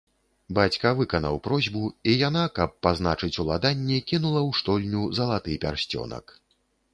Бацька выканаў просьбу і яна, каб пазначыць уладанне, кінула ў штольню залаты пярсцёнак.